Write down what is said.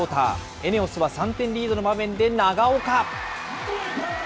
ＥＮＥＯＳは３点リードの場面で長岡。